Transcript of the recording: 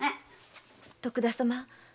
徳田様